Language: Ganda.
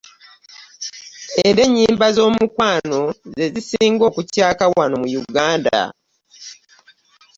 Era enyimba z'omukwano zesinga okukyaka wano mu Yuganada.